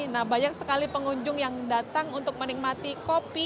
nah banyak sekali pengunjung yang datang untuk menikmati kopi